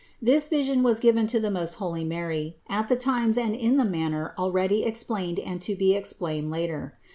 This vision was given to the most holy Mary at the times and in the manner already explained and to be explained later.